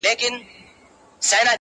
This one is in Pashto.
چې هیڅوک ترې خبر نه وو